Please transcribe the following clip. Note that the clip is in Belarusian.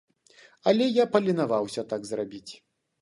Але я паленаваўся так зрабіць.